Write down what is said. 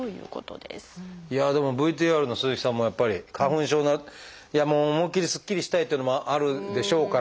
でもＶＴＲの鈴木さんもやっぱり花粉症思いっきりすっきりしたいっていうのもあるでしょうから。